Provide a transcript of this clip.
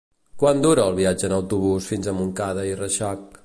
Quant dura el viatge en autobús fins a Montcada i Reixac?